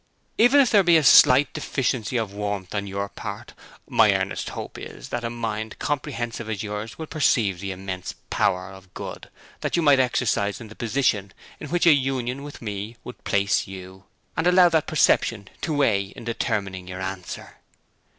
Even if there be a slight deficiency of warmth on your part, my earnest hope is that a mind comprehensive as yours will perceive the immense power for good that you might exercise in the position in which a union with me would place you, and allow that perception to weigh in determining your answer.